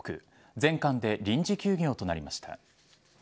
全館で臨時休業となりました。